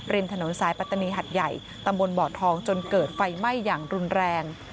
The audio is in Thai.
ถนนสายปัตตานีหัดใหญ่ตำบลบ่อทองจนเกิดไฟไหม้อย่างรุนแรง